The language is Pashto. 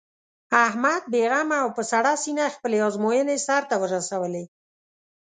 احمد بې غمه او په سړه سینه خپلې ازموینې سر ته ورسولې.